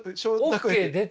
ＯＫ出て？